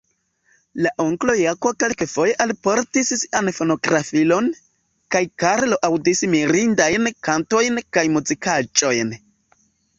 La onklo Jako kelkafoje alportis sian fonografilon, kaj Karlo aŭdis mirindajn kantojn kaj muzikaĵojn.